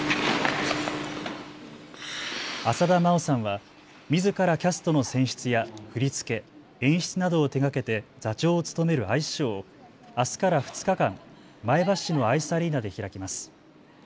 浅田真央さんはみずからキャストの選出や振り付け、演出などを手がけて座長を務めるアイスショーをあすから２日間、前橋市のアイスアリーナで開きます。